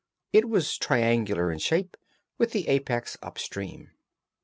It was triangular in shape, with the apex up stream.